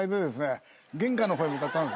玄関の方へ向かったんですね。